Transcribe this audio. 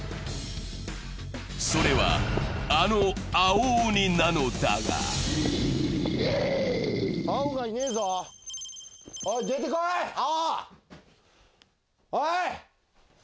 それは、あの青鬼なのだが出てこい、青！